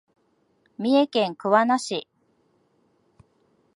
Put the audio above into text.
三重県桑名市